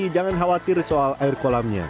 jangan khawatir soal air kolamnya